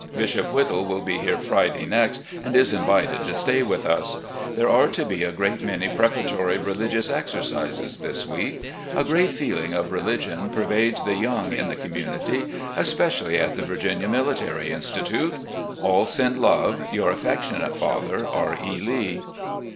Bishop Whittle will be here Friday next and is invited to stay with us. There are to be a great many preparatory religious exercises this week. A great feeling of religion pervades the young in the community, especially at the Virginia Military Institute. All send love. "Your affectionate father, "R. E. Lee."